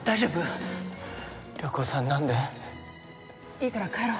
いいから帰ろ。